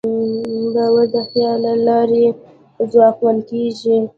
باور د خیال له لارې ځواکمن کېږي.